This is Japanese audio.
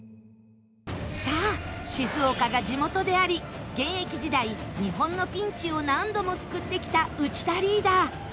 さあ静岡が地元であり現役時代日本のピンチを何度も救ってきた内田リーダー